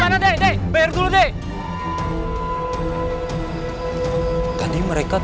pak di bagiri pak